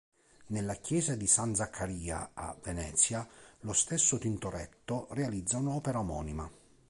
Nella Chiesa di San Zaccaria a Venezia, lo stesso Tintoretto realizza un'opera omonima.